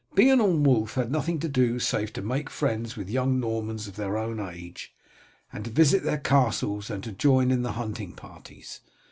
Beorn and Wulf had nothing to do save to make friends with young Normans of their own age, to visit their castles and to join in the hunting parties.